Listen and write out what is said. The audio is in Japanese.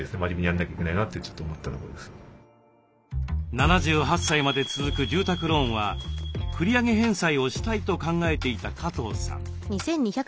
７８歳まで続く住宅ローンは繰り上げ返済をしたいと考えていた加藤さん。